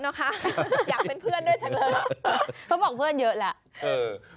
เขาบอกเพื่อนเยอะแหละ